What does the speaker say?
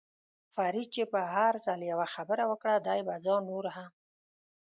فرید چې به هر ځل یوه خبره وکړه، دې به ځان نور هم.